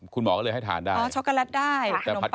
คุณหมอก็เลยให้ดีทานได้